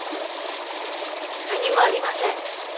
何もありません。